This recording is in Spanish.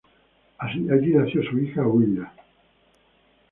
Allí nació su hija Hulda.